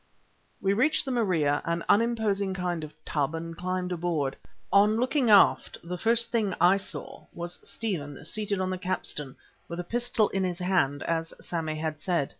We reached the Maria, an unimposing kind of tub, and climbed aboard. On looking aft the first thing that I saw was Stephen seated on the capstan with a pistol in his hand, as Sammy had said.